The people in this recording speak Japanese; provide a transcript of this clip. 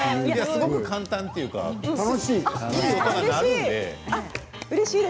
すごく簡単というか楽しい。